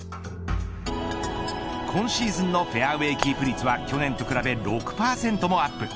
今シーズンのフェアウェイキープ率は去年と比べ６％アップ